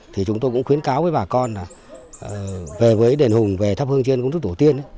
thì chúng tôi cũng khuyến cáo với bà con là về với đền hùng về thắp hương trên công đúc tổ tiên